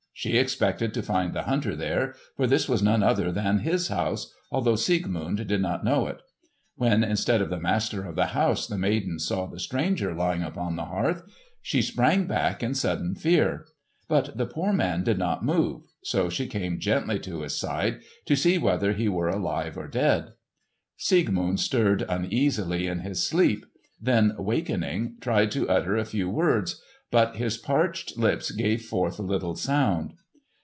She expected to find the hunter there, for this was none other than his house, although Siegmund did not know it. When instead of the master of the house the maiden saw the stranger lying upon the hearth, she sprang back in sudden fear. But the poor man did not move, so she came gently to his side, to see whether he were alive or dead. Siegmund stirred uneasily in his sleep, then, wakening, tried to utter a few words, but his parched lips gave forth little sound.